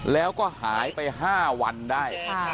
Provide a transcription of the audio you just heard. แล้วก็หายไป๕วันได้